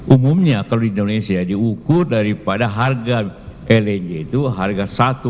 umumnya kalau di indonesia diukur daripada harga lng itu harga satu